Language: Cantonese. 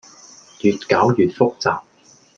越攪越複雜